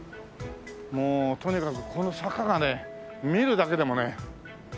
もうとにかくこの坂がね見るだけでもね。